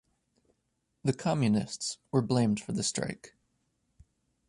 The Communists were blamed for the strike.